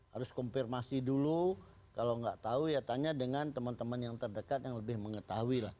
harus konfirmasi dulu kalau nggak tahu ya tanya dengan teman teman yang terdekat yang lebih mengetahui lah